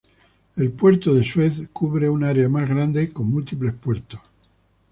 El Puerto de Suez cubre un área más grande con múltiples puertos.